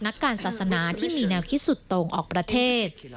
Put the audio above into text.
นักการศาสนาที่มีแนวคิดสุดตรงออกประเทศ